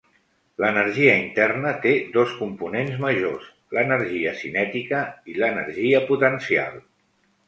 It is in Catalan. L'energia interna té dos components majors, l'energia cinètica i l'energia potencial.